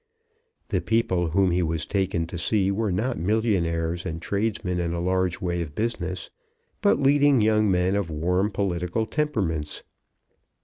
The people whom he was taken to see were not millionaires and tradesmen in a large way of business, but leading young men of warm political temperaments.